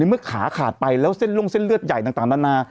เมื่อขาขาดไปแล้วเส้นลงเส้นเลือดใหญ่ต่างนานา